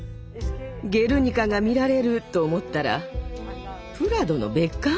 「ゲルニカ」が見られる！と思ったらプラドの別館？